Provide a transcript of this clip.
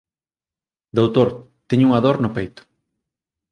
Doutor, teño unha dor no peito.